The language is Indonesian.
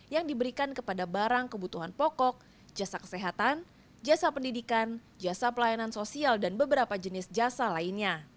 yang diberikan kepada barang kebutuhan pokok jasa kesehatan jasa pendidikan jasa pelayanan sosial dan beberapa jenis jasa lainnya